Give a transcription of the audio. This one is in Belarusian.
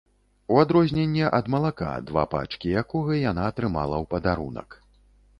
У адрозненне ад малака, два пачкі якога яна атрымала ў падарунак.